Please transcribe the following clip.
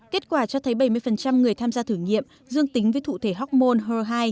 kết quả cho thấy bảy mươi người tham gia thử nghiệm dương tính với thụ thể hormone her hai